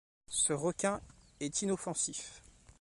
Ce requin est inoffensif.